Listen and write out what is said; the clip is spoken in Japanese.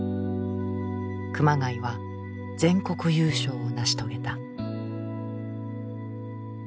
熊谷は全国優勝を成し遂げた。